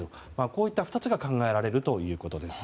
こういった２つが考えられるということです。